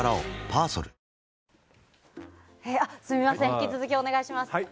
引き続きお願いします。